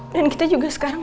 dan kita juga sekarang